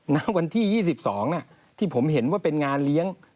ณวันที่๒๒ที่ผมเห็นว่าเป็นงานเลี้ยง